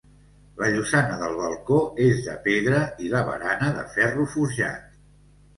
La llosana del balcó és de pedra i la barana de ferro forjat.